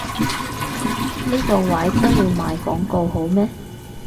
呢個位都要賣廣告好咩？